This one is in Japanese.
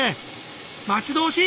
待ち遠しい！